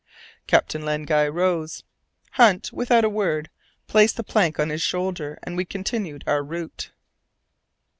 Captain Len Guy rose. Hunt, without a word, placed the plank upon his shoulder, and we continued our route.